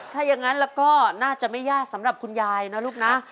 ถ้าอย่างนั้นแล้วก็น่าจะไม่ยากสำหรับคุณยายนะลูกนะ